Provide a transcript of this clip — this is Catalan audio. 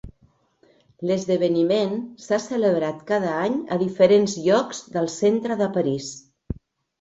L'esdeveniment s'ha celebrat cada any a diferents llocs del centre de París.